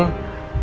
kita mau kumpul